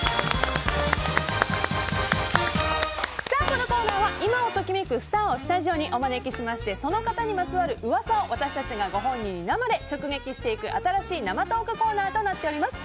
このコーナーは今を時めくスターをスタジオにお招きしましてその方にまつわるうわさを私たちがご本人に生で直撃していく新しい生トークコーナーとなっております。